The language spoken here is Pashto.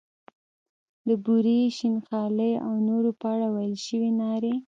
د بورې، شین خالۍ او نورو په اړه ویل شوې نارې.